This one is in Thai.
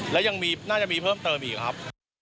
และยังน่าจะมีเพิ่มเติมอีกครับ